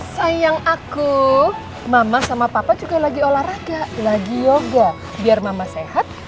sayang aku mama sama papa juga lagi olahraga lagi yogo biar mama sehat